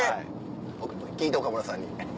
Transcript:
聞いて岡村さんに。